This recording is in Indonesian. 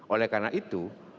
oleh karena itu